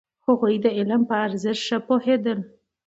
هغوی د علم په ارزښت ښه پوهېدل.